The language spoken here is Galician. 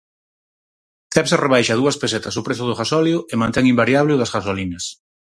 Cepsa rebaixa dúas pesetas o prezo do gasóleo e mantén invariable o das gasolinas